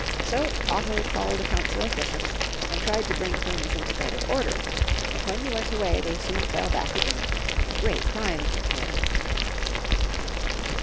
So Otto called a council of Bishops, and tried to bring things into better order, but when he went away they soon fell back again, and great crimes were committed.